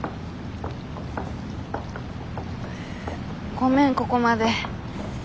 ごめんここまで。